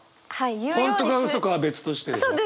本当かうそかは別としてでしょ？